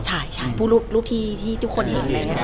ใช่รูปที่ทุกคนเห็น